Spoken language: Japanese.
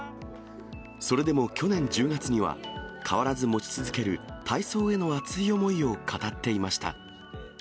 それでも去年１０月には、変わらず持ち続ける体操への熱い思いを語っていました。